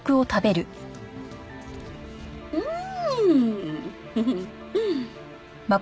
うん。